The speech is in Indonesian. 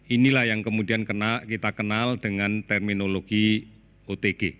inilah yang kemudian kita kenal dengan terminologi otg